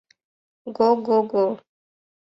Го-го-го!